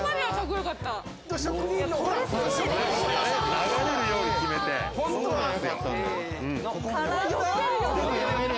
流れるように決めて。からの。